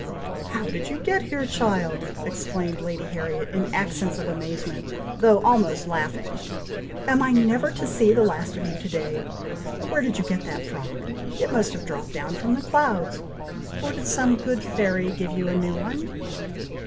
"How did you get here, child!" exclaimed Lady Harriet, in accents of amazement, though almost laughing. "Am I never to see the last of you to day! Where did you get that frock! It must have dropped from the clouds! Or did some good fairy give you a new one?"